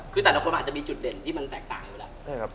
คือแต่ละคนมันอาจจะมีจุดเด่นที่มันแตกต่างอยู่แล้ว